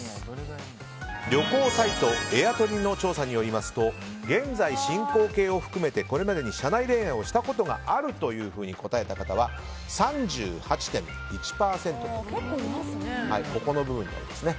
旅行サイトエアトリの調査によりますと現在進行形を含めてこれまでに社内恋愛をしたことがあると答えた方は３８．１％と。